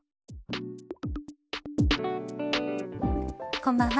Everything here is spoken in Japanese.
こんばんは。